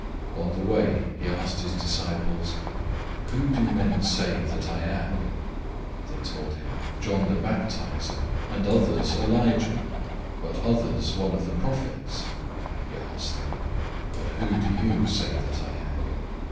On the way he asked his disciples, "Who do men say that I am?" 008:028 They told him, "John the Baptizer, and others say Elijah, but others: one of the prophets." 008:029 He said to them, "But who do you say that I am?"